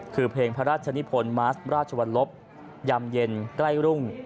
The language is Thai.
คือเพลงพระราชนิพลมาสราชวรรลบยำเย็นใกล้รุ่ง